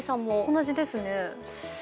同じですね。